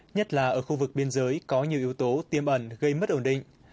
nhất là ở khu vực biên giới có nhiều yếu tố tiêm ẩn gây mất ổn định